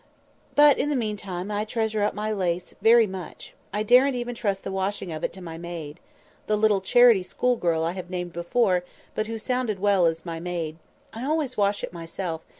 But, in the meantime, I treasure up my lace very much. I daren't even trust the washing of it to my maid" (the little charity school girl I have named before, but who sounded well as "my maid"). "I always wash it myself.